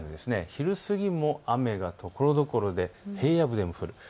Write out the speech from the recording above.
昼過ぎも雨がところどころで平野部でも降る。